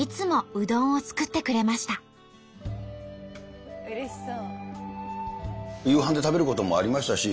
うれしそう。